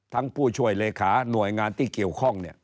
ผู้ช่วยเลขาหน่วยงานที่เกี่ยวข้อง